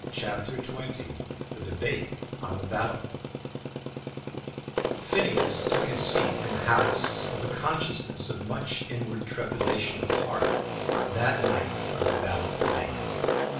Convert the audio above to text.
CHAPTER XX The Debate on the Ballot Phineas took his seat in the House with a consciousness of much inward trepidation of heart on that night of the ballot debate.